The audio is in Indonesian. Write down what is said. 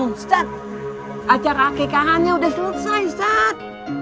ustadz acara kekangannya sudah selesai ustadz